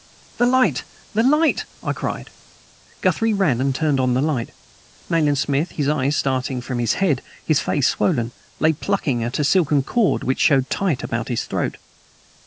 "The light! The light!" I cried. Guthrie ran and turned on the light. Nayland Smith, his eyes starting from his head, his face swollen, lay plucking at a silken cord which showed tight about his throat.